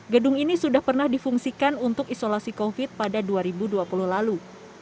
gedung ini sudah pernah difungsikan untuk isolasi covid pada dua ribu dua puluh lalu